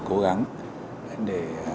cố gắng để khôi phục